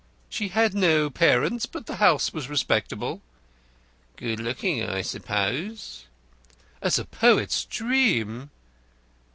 "She had no parents, but the house was respectable." "Good looking, I suppose?" "As a poet's dream."